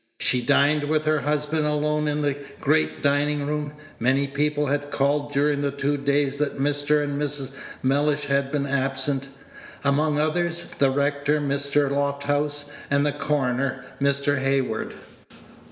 She dined with her husband alone in the great dining room. Many people had called during the two days that Mr. and Mrs. Mellish had been absent; among others, the rector, Mr. Lofthouse, and the coroner, Mr. Hayward.